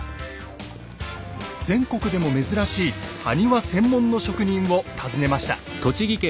全国でも珍しい埴輪専門の職人を訪ねました。